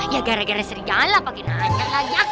ya gara gara serigala pake naan naan aja